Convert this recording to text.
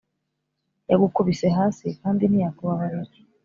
Yagukubise hasi kandi ntiyakubabarira,